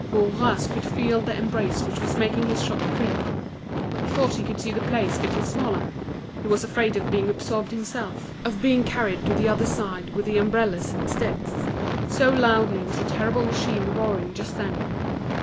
Bourras could feel the embrace which was making his shop creak. He thought he could see the place getting smaller; he was afraid of being absorbed himself, of being carried to the other side with his umbrellas and sticks, so loudly was the terrible machine roaring just then.